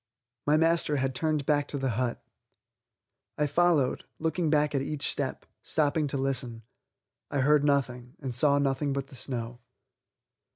My master had turned back to the hut. I followed, looking back at each step, stopping to listen. I heard nothing, and saw nothing but the snow.